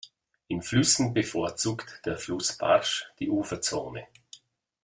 In Flüssen bevorzugt der Flussbarsch die Uferzone.